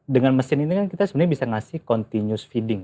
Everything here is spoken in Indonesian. dengan mesin ini kan kita sebenarnya bisa ngasih continuous feeding